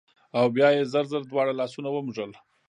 او بيا يې زر زر دواړه لاسونه ومږل